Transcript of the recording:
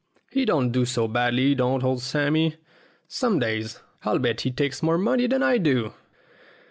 He don't do so badly, don't old Sammy. Some days I'll bet he takes more money than I do."